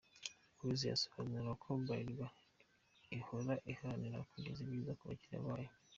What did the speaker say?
Uwizeye asobanura ko Bralirwa ihora iharanira kugeza ibyiza ku bakiriya bayo.